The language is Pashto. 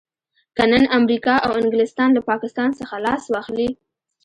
که نن امريکا او انګلستان له پاکستان څخه لاس واخلي.